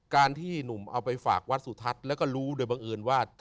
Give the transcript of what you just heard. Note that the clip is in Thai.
การที่หนุ่มเอาไปฝากวัดสุทัศน์แล้วก็รู้โดยบังเอิญว่า